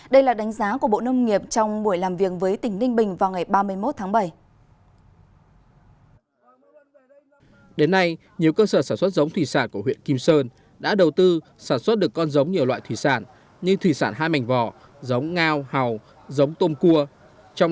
đây là đánh giá của bộ nông nghiệp trong buổi làm việc với tỉnh ninh bình vào ngày ba mươi một tháng bảy